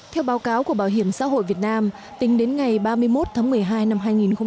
theo báo cáo của bảo hiểm xã hội việt nam tính đến ngày ba mươi một tháng một mươi hai năm hai nghìn một mươi chín